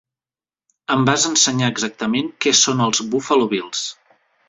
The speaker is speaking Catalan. Em vas ensenyar exactament què són els Buffalo Bills.